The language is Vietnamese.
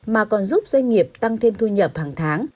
mà còn giúp doanh nghiệp tăng thêm thu nhập hàng tháng